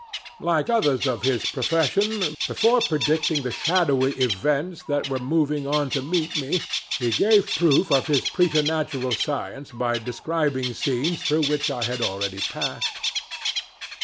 Like others of his profession, before predicting the shadowy events that were moving on to meet me he gave proof of his preternatural science by describing scenes through which I had already passed.